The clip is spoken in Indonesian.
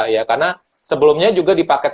ya karena sebelumnya juga di paket